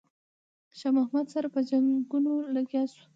شاه محمود سره په جنګونو لګیا شو.